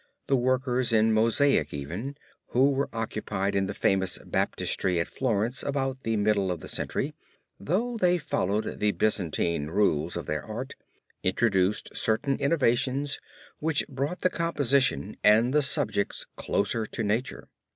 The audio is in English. The workers in Mosaic even, who were occupied in the famous baptistry at Florence about the middle of the century, though they followed the Byzantine rules of their art, introduced certain innovations which brought the composition and the subjects closer to nature.